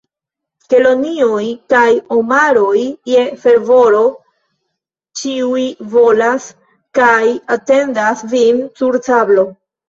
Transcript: Kelonioj kaj omaroj je fervoro ĉiuj bolas, kaj atendas vin sur sablo!